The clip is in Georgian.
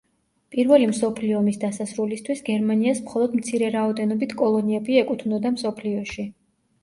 პირველი მსოფლიო ომის დასასრულისთვის გერმანიას მხოლოდ მცირე რაოდენობით კოლონიები ეკუთვნოდა მსოფლიოში.